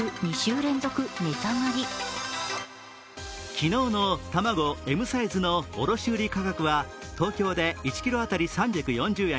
昨日の卵Ｍサイズの卸売価格は東京で１ｋｇ当たり３４０円。